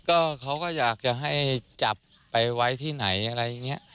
ก็เขาก็อยากจะให้จับไปไว้ที่ไหนอะไรอย่างนี้